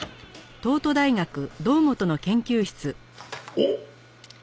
おっ！